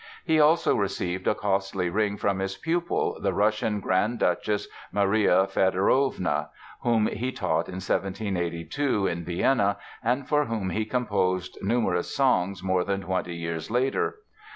He also received a costly ring from his pupil, the Russian Grand Duchess Maria Feodorovna, whom he taught in 1782 in Vienna and for whom he composed numerous songs more than twenty years later.